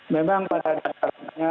memang pada dasarnya